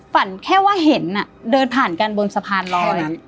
แค่ว่าเห็นเดินผ่านกันบนสะพานลอย